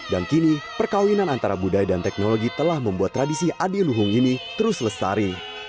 dan kini perkawinan antara budaya dan teknologi telah membuat tradisi adiluhung ini terus selesari